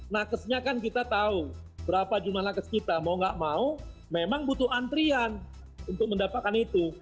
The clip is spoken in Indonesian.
nakesnya kan kita tahu berapa jumlah nakes kita mau gak mau memang butuh antrian untuk mendapatkan itu